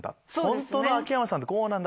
本当の秋山さんってこうなんだ！